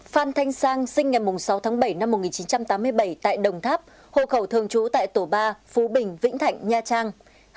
phan thanh sang sinh ngày sáu tháng bảy năm một nghìn chín trăm tám mươi bảy tại đồng tháp hộ khẩu thường trú tại tổ ba phú bình vĩnh thạnh nha trang